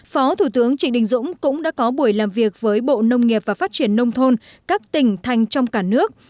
phó thủ tướng trịnh đình dũng cũng đã có buổi làm việc với bộ nông nghiệp và phát triển nông thôn các tỉnh thành trong cả nước